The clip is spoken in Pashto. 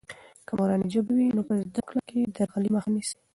که مورنۍ ژبه وي، نو په زده کړه کې د درغلي مخه نیسي.